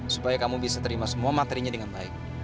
supaya kamu bisa terima semua materinya dengan baik